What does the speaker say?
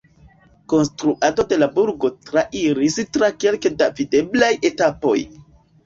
Konstruado de la burgo trairis tra kelke da videblaj etapoj.